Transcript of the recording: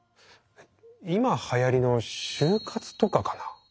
今はやりの終活とかかな？